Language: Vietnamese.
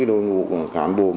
đội ngũ cán bộ